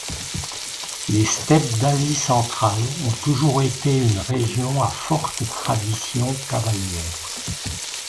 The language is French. Les steppes d'Asie Centrale ont toujours été une région à forte tradition cavalière.